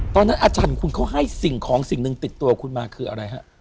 อาจารย์ของคุณเขาให้สิ่งของสิ่งหนึ่งติดตัวคุณมาคืออะไรฮะ